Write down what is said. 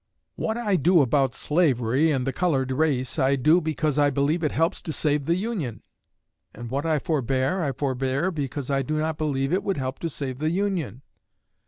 What I do about slavery and the colored race, I do because I believe it helps to save the Union; and what I forbear, I forbear because I do not believe it would help to save the Union.